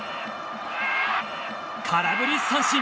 空振り三振！